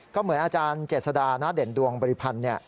ก็เหมือนอาจารย์เจษดาณเด่นดวงบริพันธ์